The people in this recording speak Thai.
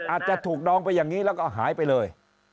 อาจจะถูกดองไปอย่างนี้แล้วก็หายไปเลย